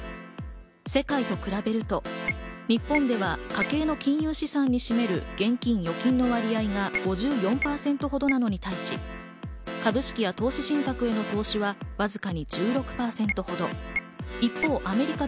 世界と比べると日本では家計の金融資産が占める現金・預金の割合が５４％ほどなのに対して、株式や投資信託への投資はわずかに１６％ほど。